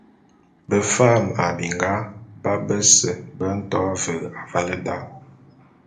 Befam a binga bap bese be nto ve avale da.